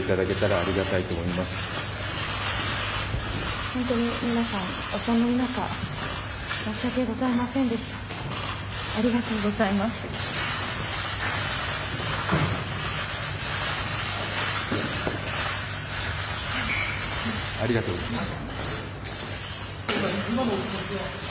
ありがとうございます。